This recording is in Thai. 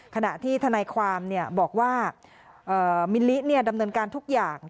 ขณะที่ทนายความบอกว่ามิลลิดำเนินการทุกอย่าง